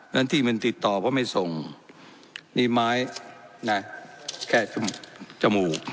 นั้นที่มันติดต่อเพราะไม่ส่งมีไม้นะแค่จมูก